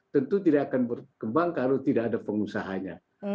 tentu tidak akan berkembang kalau tidak ada pengusahanya